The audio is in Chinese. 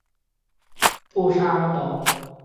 布沙尔岛。